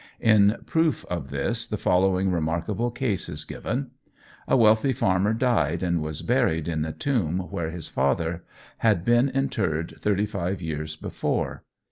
In proof of this, the following remarkable case is given. A wealthy farmer died, and was buried in the tomb where his father had been interred thirty five years before.